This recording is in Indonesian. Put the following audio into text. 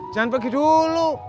jangan pergi dulu